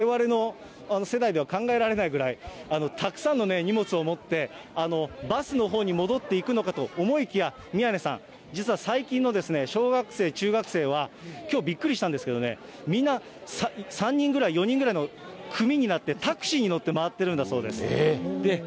われわれの世代では考えられないぐらい、たくさんの荷物を持って、バスのほうに戻っていくのかと思いきや、宮根さん、実は最近の小学生、中学生は、きょう、びっくりしたんですけどね、皆、３人ぐらい、４人ぐらいの組になって、タクシーに乗って回ってるんだそうです。